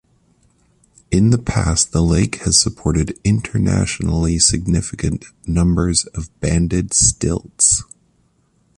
In the past the lake has supported internationally significant numbers of banded stilts.